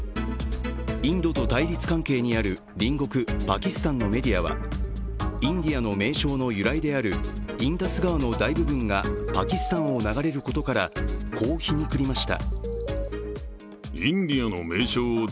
インドと対立関係にある隣国・パキスタンのメディアはインディアの名称の由来であるインダス川の大部分がパキスタンを流れることからこう皮肉りました。